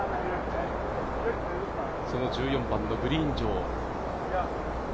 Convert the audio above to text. その１４番のグリーン上。